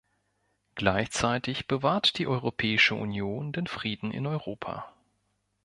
Gleichzeitig bewahrt die Europäische Union den Frieden in Europa.